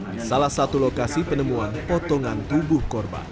di salah satu lokasi penemuan potongan tubuh korban